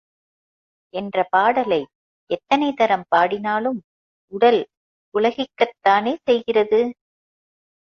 என்ற பாடலை எத்தனை தரம் பாடினாலும் உடல் புளகிக்கத் தானே செய்கிறது.